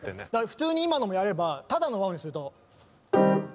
普通に今のもやればただの和音にすると。